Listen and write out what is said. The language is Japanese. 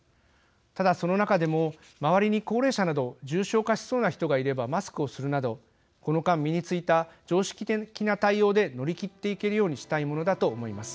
ただその中でも周りに高齢者など重症化しそうな人がいればマスクをするなどこの間身についた常識的な対応で乗り切っていけるようにしたいものだと思います。